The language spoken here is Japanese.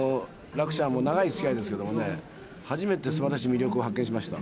楽ちゃんも長いつきあいですけどもね、初めてすばらしい魅力を発見しました。